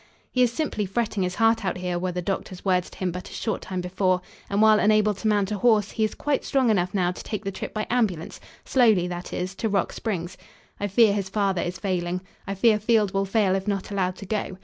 "He is simply fretting his heart out here," were the doctor's words to him but a short time before, "and, while unable to mount a horse, he is quite strong enough now to take the trip by ambulance, slowly, that is, to Rock Springs. I fear his father is failing. I fear Field will fail if not allowed to go.